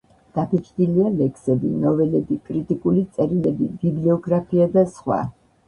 დაბეჭდილია ლექსები, ნოველები, კრიტიკული წერილები, ბიბლიოგრაფია და სხვა.